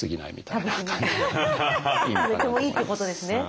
でもいいってことですね。